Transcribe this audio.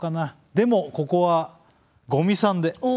でもここは五味さんで。